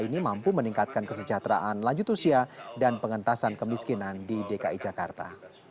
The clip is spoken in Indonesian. ini mampu meningkatkan kesejahteraan lanjut usia dan pengentasan kemiskinan di dki jakarta